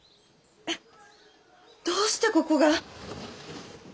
どうしてここが？